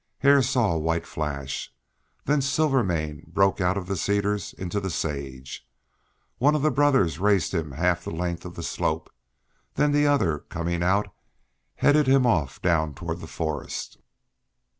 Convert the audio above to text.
Hare saw a white flash; then Silvermane broke out of the cedars into the sage. One of the brothers raced him half the length of the slope, and then the other coming out headed him off down toward the forest.